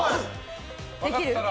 できる？